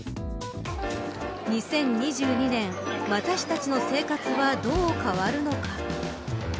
２０２２年私たちの生活はどう変わるのか。